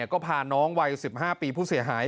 ก็พาน้องวัย๑๕ปีผู้เสียหาย